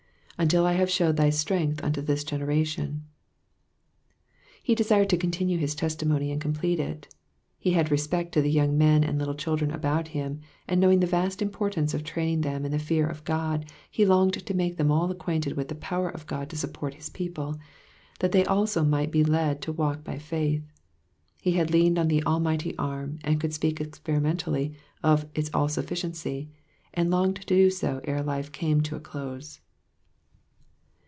^^ Until I have shewed thy strength unto this generation,'*^ He desired to continue his testimony and complete it ; he had respect to the young men and little children about him, and knowing the vast importance of training them in the fear of God, he longed to make them all acquainted with the power of God to support his people, that they also might be led to walk by faith. He had leaned on the almighty arm, and could speak experimentally of its all sufiiciency, and longed to do so ere life came to a close.